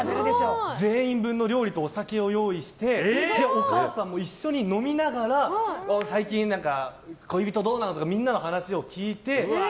全員分の料理とお酒を用意してお母さんも一緒に飲みながら最近、恋人どうなの？とかみんなの話を聞いて。